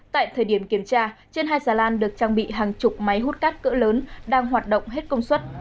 tại thời điểm kiểm tra trên hai xà lan được trang bị hàng chục máy hút cát cỡ lớn đang hoạt động hết công suất